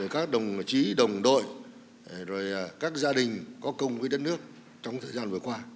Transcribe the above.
các đồng chí đồng đội các gia đình có công với đất nước trong thời gian vừa qua